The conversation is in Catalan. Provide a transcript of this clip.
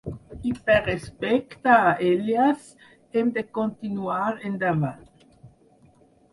I per respecte a elles, hem de continuar endavant.